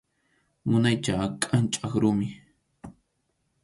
Munaycha kʼanchaq rumi.